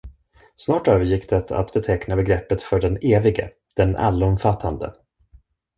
Snart övergick det att beteckna begreppet för den Evige, den Allomfattande.